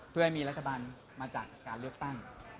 เพื่อให้มีรัฐบาลมาจากการเลือกตั้ง